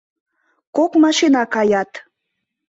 Кок машина каят.